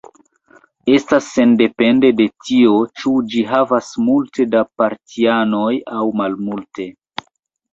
Estas sendepende de tio, ĉu ĝi havas multe da partianoj aŭ malmulte.